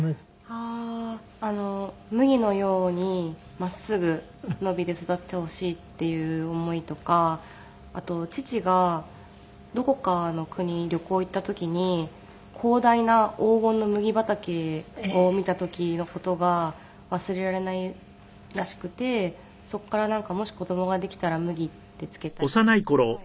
ああー麦のように真っ直ぐ伸びて育ってほしいっていう思いとかあと父がどこかの国旅行行った時に広大な黄金の麦畑を見た時の事が忘れられないらしくてそこからなんかもし子供ができたら麦ってつけたいってはい。